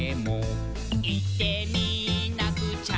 「いってみなくちゃ」